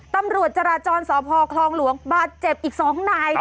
ตำรวจจราจรสอบภคลองหลวงบาดเจ็บอีก๒นายด้วยค่ะ